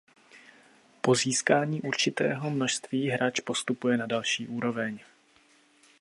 Po získání určitého množství hráč postupuje na další úroveň.